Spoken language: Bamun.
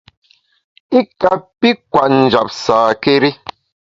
I kapi kwet njap sâkéri.